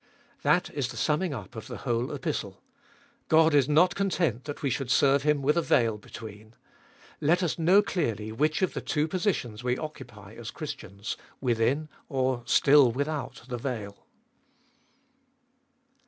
That is the summing up of the whole Epistle. God is not content that we should serve Him with a veil between. Let us know clearly which of the two positions we occupy as Christians— within or still without the veil.